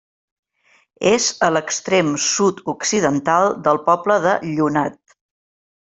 És a l'extrem sud-occidental del poble de Llonat.